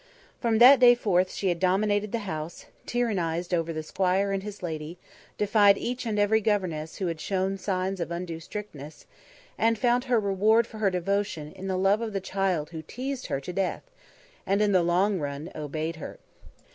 From that day forth she had dominated the house, tyrannised over the Squire and his lady, defied each and every governess who had shown signs of undue strictness, and found her reward for her devotion in the love of the child who teased her to death and in the long run obeyed her.